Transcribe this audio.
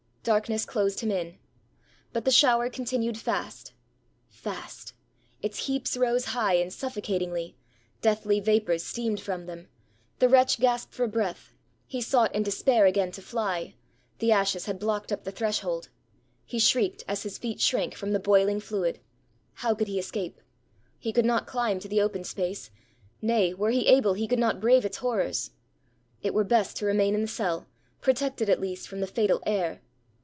Darkness closed him in. But the shower continued fast — fast; its heaps rose high and suffocat ingly — deathly vapors steamed from them. The wretch gasped for breath — he sought in despair again to fly — 443 ROME the ashes had blocked up the threshold — he shrieked as his feet shrank from the boiling fluid. How could he escape? — he could not cHmb to the open space ; nay, were he able he could not brave its horrors. It were best to remain in the cell, protected, at least, from the fatal air.